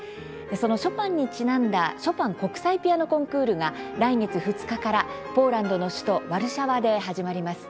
そのショパンにちなんだショパン国際ピアノコンクールが来月２日からポーランドの首都ワルシャワで始まります。